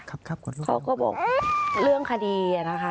เขาก็บอกเรื่องคดีนะคะ